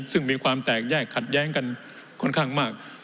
ซึ่งมีความแตกแยกขัดแย้งกันค่อนข้างมาก